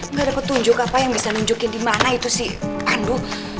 gak ada petunjuk apa yang bisa nunjukin dimana itu si pandu